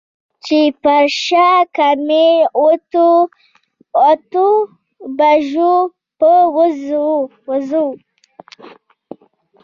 چې پر شل کمې اتو بجو به وځو.